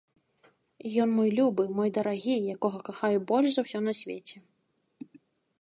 Ён мой любы, мой дарагі, якога кахаю больш за ўсё на свеце.